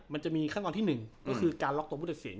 มันจะมีขั้นตอนที่๑ก็คือการล็อกตัวผู้ตัดสิน